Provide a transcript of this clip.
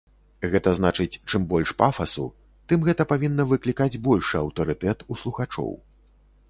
Гэта значыць, чым больш пафасу, тым гэта павінна выклікаць большы аўтарытэт у слухачоў.